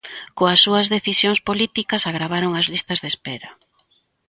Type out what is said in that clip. Coas súas decisións políticas agravaron as listas de espera.